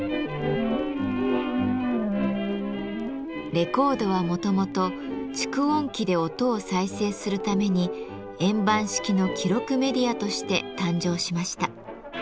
レコードはもともと蓄音機で音を再生するために円盤式の記録メディアとして誕生しました。